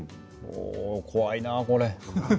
怖いな、これ。